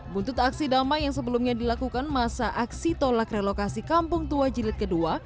buntut aksi damai yang sebelumnya dilakukan masa aksi tolak relokasi kampung tua jilid ii